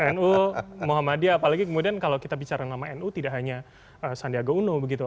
nu muhammadiyah apalagi kemudian kalau kita bicara nama nu tidak hanya sandiaga uno begitu